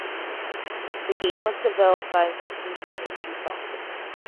The game was developed by Nippon Ichi Software.